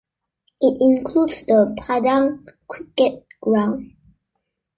It includes the Padang Cricket Ground.